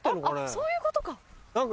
そういうことか。